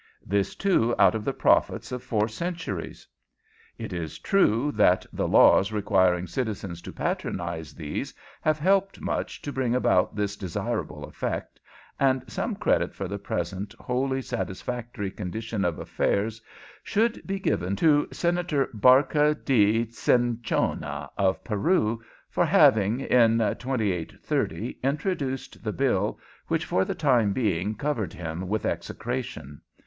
This, too, out of the profits of four centuries. It is true that the laws requiring citizens to patronize these have helped much to bring about this desirable effect, and some credit for the present wholly satisfactory condition of affairs should be given to Senator Barca di Cinchona, of Peru, for having, in 2830, introduced the bill which for the time being covered him with execration.